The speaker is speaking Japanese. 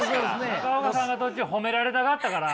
中岡さんが途中褒められたがったから。